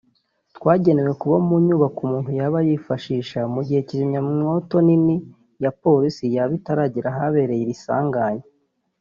twagenewe kuba mu nyubako umuntu yaba yifashisha mu gihe kizimyamwoto nini ya polisi yaba itaragera ahabereye iri sanganya